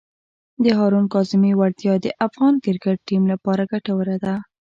د هارون کاظمي وړتیا د افغان کرکټ ټیم لپاره ګټوره ده.